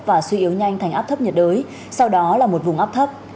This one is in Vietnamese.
và suy yếu nhanh thành áp thấp nhiệt đới sau đó là một vùng áp thấp